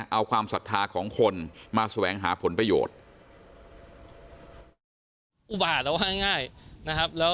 เอาความศรัทธาของคนมาแสวงหาผลประโยชน์